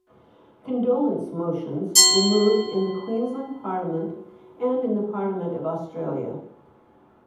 Condolence motions were moved in the Queensland Parliament and in the Parliament of Australia.